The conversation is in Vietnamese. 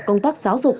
công tác giáo dục